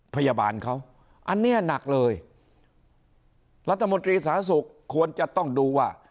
พยาบาลเขาอันเนี้ยหนักเลยรัฐมนตรีสาธารณสุขควรจะต้องดูว่า